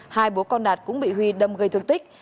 hai bố con đạt cũng bị huy đâm gây thương tích